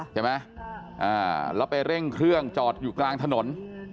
ใช่ไหมแล้วไปเร่งเครื่องจอดอยู่กลางถนน